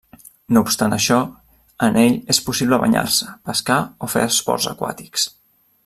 No obstant això, en ell és possible banyar-se, pescar o fer esports aquàtics.